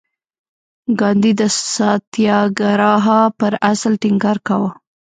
ګاندي د ساتیاګراها پر اصل ټینګار کاوه.